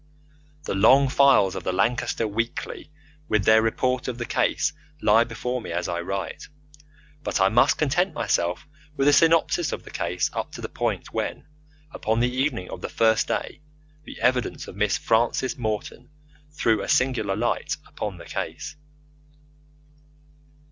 The long files of the Lancaster Weekly with their report of the case lie before me as I write, but I must content myself with a synopsis of the case up to the point when, upon the evening of the first day, the evidence of Miss Frances Morton threw a singular light upon the case.